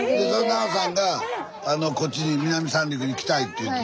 奈緒さんがこっちに南三陸に来たいっていって。